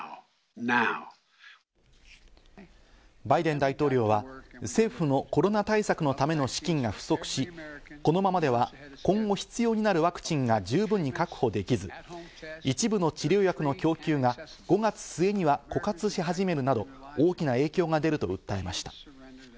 バイデン大統領は政府のコロナ対策のための資金が不足し、このままでは今後、必要になるワクチンが十分に確保できず、一部の治療薬の供給が５月末には枯渇し始めるなど大きな影響が出ると訴えました。